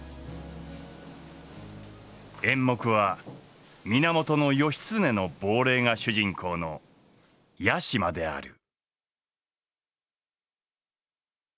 演目は源義経の亡霊が主人公の「屋島」である。